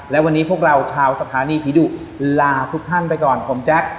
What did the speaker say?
และวันนี้พวกเราชาวสถานีผีดุลาทุกท่านไปก่อนผมแจ๊ค